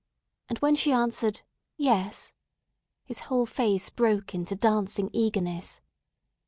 And, when she answered, "Yes," his whole face broke into dancing eagerness.